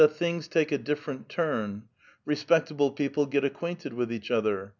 things take a diflferent turn : respectable people get ac quainted with oach otlier.